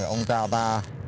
ông cha ta